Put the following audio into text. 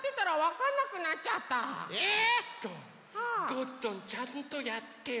ゴットンちゃんとやってよ。